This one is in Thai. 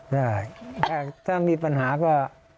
ได้ถ้ามีปัญหาก็